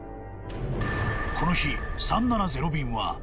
［この日３７０便は］